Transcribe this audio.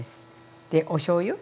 でおしょうゆ。